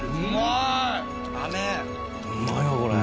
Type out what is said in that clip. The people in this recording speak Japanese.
うまいわこれ。